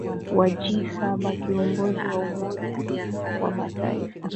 wa G saba kiongozi wa umoja wa mataifa